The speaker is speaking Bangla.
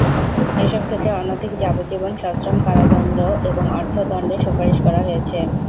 এসব ক্ষেত্রে অনধিক যাবজ্জীবন সশ্রম কারাদণ্ড এবং অর্থদণ্ডের সুপারিশ করা হয়েছে।